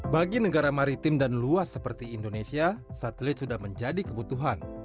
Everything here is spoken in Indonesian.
bagi negara maritim dan luas seperti indonesia satelit sudah menjadi kebutuhan